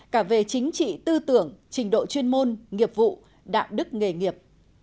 cả về chính trị tư tưởng trình độ chuyên môn nghiệp vụ đạo đức nghề nghiệp